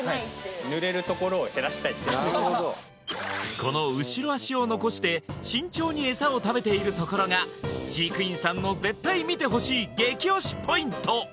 この後ろ足を残して慎重にエサを食べているところが飼育員さんの絶対見てほしい激推しポイント